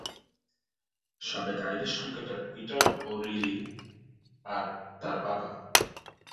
সাবেক Irish cricketer Peter O'Reilly তার বাবা।